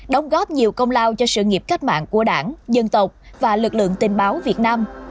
đóng góp nhiều công lao cho sự nghiệp cách mạng của đảng dân tộc và lực lượng tình báo việt nam